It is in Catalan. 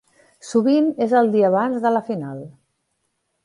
Sovint és el dia abans de la final.